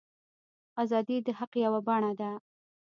ازادي د حق یوه بڼه ده.